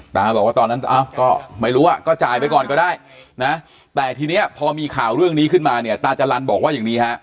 ตาบอกว่าตอนนั้นก็ไม่รู้อ่ะก็จ่ายไปก่อนก็ได้นะแต่ทีนี้พอมีข่าวเรื่องนี้ขึ้นมาเนี่ยตาจรรย์บอกว่าอย่างนี้ฮะ